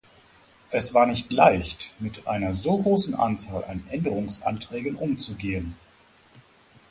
Es war nicht leicht, mit einer so großen Anzahl an Änderungsanträgen umzugehen.